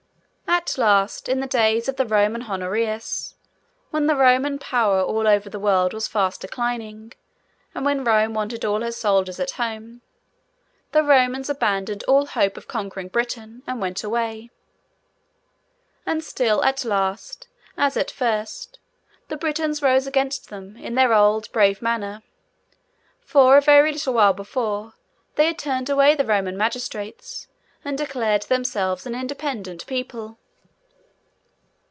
At last, in the days of the Roman Honorius, when the Roman power all over the world was fast declining, and when Rome wanted all her soldiers at home, the Romans abandoned all hope of conquering Britain, and went away. And still, at last, as at first, the Britons rose against them, in their old brave manner; for, a very little while before, they had turned away the Roman magistrates, and declared themselves an independent people.